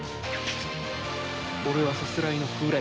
俺はさすらいの風来坊だ。